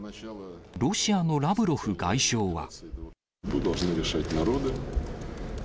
ロシアのラブロフ外相は。